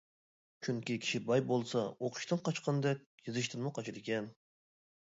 چۈنكى كىشى باي بولسا ئوقۇشتىن قاچقاندەك، يېزىشتىنمۇ قاچىدىكەن.